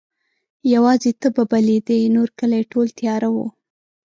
یواځي ته به بلېدې نورکلی ټول تیاره وو